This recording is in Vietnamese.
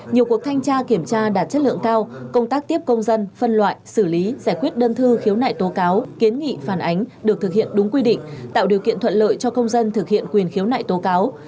nhiều cuộc thanh tra kiểm tra đạt chất lượng cao công tác tiếp công dân phân loại xử lý giải quyết đơn thư khiếu nại tố cáo kiến nghị phản ánh được thực hiện đúng quy định tạo điều kiện thuận lợi cho công dân thực hiện quyền khiếu nại tố cáo